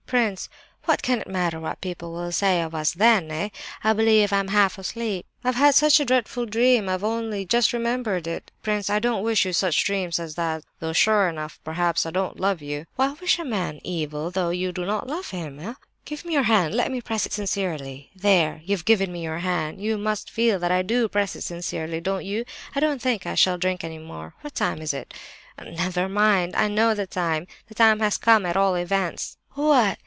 —prince, what can it matter what people will say of us then, eh? I believe I'm half asleep. I've had such a dreadful dream—I've only just remembered it. Prince, I don't wish you such dreams as that, though sure enough, perhaps, I don't love you. Why wish a man evil, though you do not love him, eh? Give me your hand—let me press it sincerely. There—you've given me your hand—you must feel that I do press it sincerely, don't you? I don't think I shall drink any more. What time is it? Never mind, I know the time. The time has come, at all events. What!